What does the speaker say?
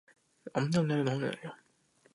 経営学部